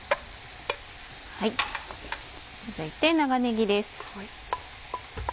続いて長ねぎです。